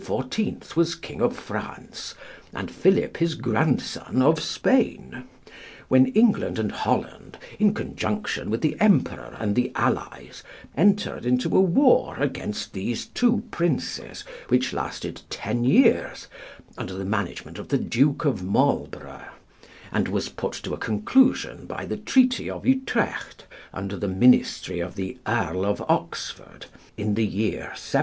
was King of France, and Philip, his grandson, of Spain; when England and Holland, in conjunction with the Emperor and the allies, entered into a war against these two princes, which lasted ten years, under the management of the Duke of Marlborough, and was put to a conclusion by the treaty of Utrecht under the ministry of the Earl of Oxford, in the year 1713."